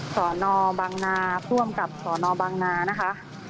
สโนบังนาผู้เพริพิสสโนบังนานะคะ